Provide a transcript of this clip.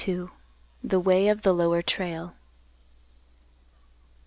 THE WAY OF THE LOWER TRAIL.